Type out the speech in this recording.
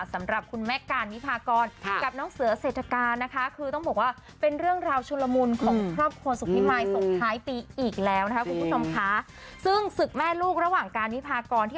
สำหรับคุณแม่กาลวิพากร